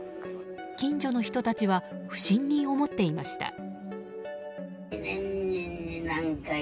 近所の人たちは不審に思っていました。